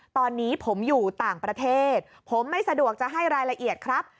ตอนนี้ผมอยู่ต่างประเทศผมไม่สะดวกจะให้รายละเอียดครับ